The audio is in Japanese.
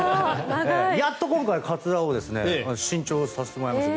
やっと今回かつらを新調させてもらいました。